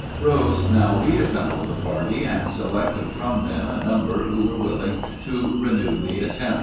Rose now reassembled the party, and selected from them a number who were willing to renew the attempt.